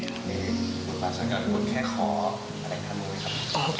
บาสนากัดบุญแค่ขออะไรข้างนู้นไหมครับ